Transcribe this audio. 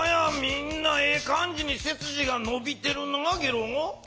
みんなええ感じにせすじがのびてるなゲロ。